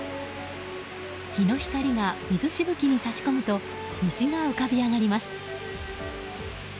火の光が水しぶきに差し込むと虹が浮かび上がります。